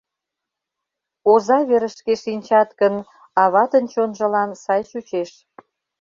Оза верышке шинчат гын, аватын чонжылан сай чучеш.